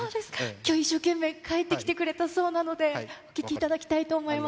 きょう、一生懸命書いてきてくれたそうなので、お聞きいただきたいと思います。